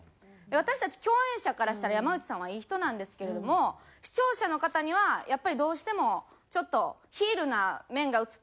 私たち共演者からしたら山内さんはいい人なんですけれども視聴者の方にはやっぱりどうしてもちょっとヒールな面が映ってるのかなと思って。